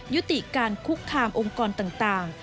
ยุติการคุกคามองค์กรต่าง